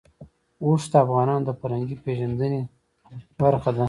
اوښ د افغانانو د فرهنګي پیژندنې برخه ده.